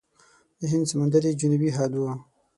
د هند سمندر یې جنوبي حد و.